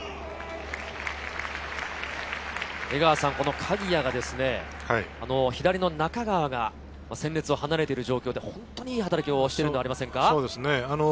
鍵谷が、左の中川が戦列を離れている状況で本当にいい働きをしていますよね。